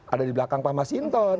ada di belakang pak mas hinton